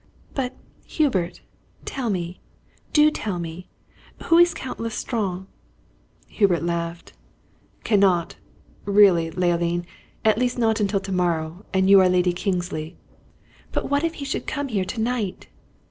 "But, Hubert, tell me do tell me, who is Count L'Estrange?" Hubert laughed. "Cannot, really, Leoline! at least, not until to morrow, and you are Lady Kingsley." "But, what if he should come here to night?"